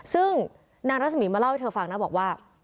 ซึ่งนางรัศมีร์มาเล่าให้เธอฟังนะบอกว่า